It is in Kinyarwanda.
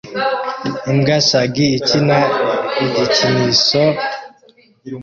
Imbwa shaggy ikina igikinisho